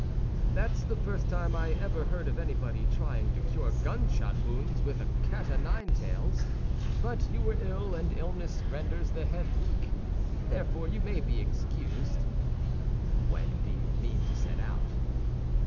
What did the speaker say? "That's the first time I ever heard of anybody trying to cure gunshot wounds with cat o' nine tails; but you were ill, and illness renders the head weak, therefore you may be excused." "When do you mean to set out?"